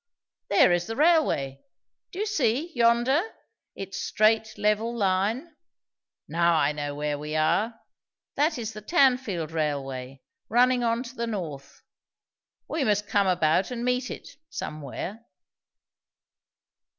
There is the railway! do you see, yonder, its straight level line? Now I know where we are. That is the Tanfield railway, running on to the north. We must come about and meet it, somewhere."